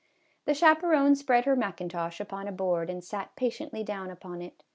The chaperon spread her mackintosh upon a board and sat patiently down upon it.